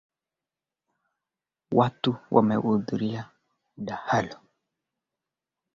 ambaye alikuwa Waziri Mkuu tangu mwaka elfu moja mia tisa themanini na tano